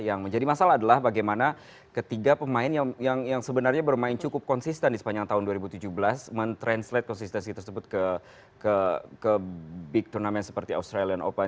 yang menjadi masalah adalah bagaimana ketiga pemain yang sebenarnya bermain cukup konsisten di sepanjang tahun dua ribu tujuh belas mentranslate konsistensi tersebut ke big turnamen seperti australian open